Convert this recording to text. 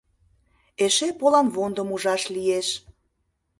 Эше поланвондым ужаш лиеш.